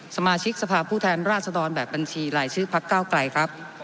สมาชิกสภาพผู้แทนราชดรแบบบัญชีรายชื่อพักเก้าไกลครับ